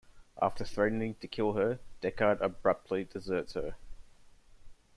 After threatening to kill her, Deckard abruptly deserts her.